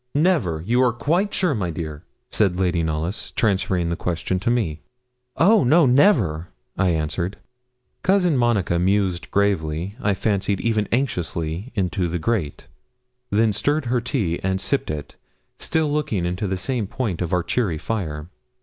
'Never, you are quite sure, my dear?' said Lady Knollys, transferring the question to me. 'Oh, no, never,' I answered. Cousin Monica mused gravely, I fancied even anxiously, into the grate; then stirred her tea and sipped it, still looking into the same point of our cheery fire.